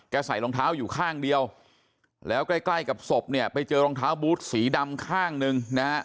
ใส่รองเท้าอยู่ข้างเดียวแล้วใกล้ใกล้กับศพเนี่ยไปเจอรองเท้าบูธสีดำข้างหนึ่งนะฮะ